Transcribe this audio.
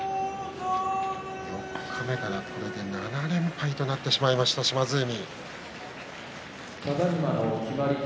四日目からこれで７連敗となってしまいました島津海。